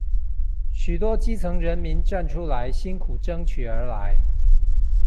許多基層人民站出來辛苦爭取而來